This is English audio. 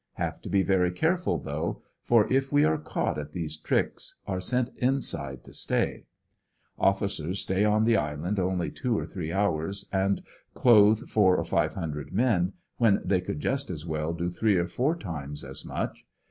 Have to be very careful, though, for if we are caught at these tricks are sent inside to stay. Officers stay on the island only two or three hours, and clothe four or five hundred men, when they could just as well do three or four times as much.